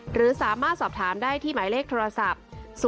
หรือสามารถสอบถามได้ที่หมายเลขโทรศัพท์